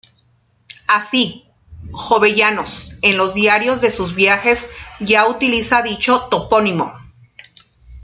Así, Jovellanos en los diarios de sus viajes ya utiliza dicho topónimo.